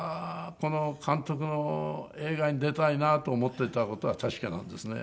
この監督の映画に出たいなと思ってた事は確かなんですね。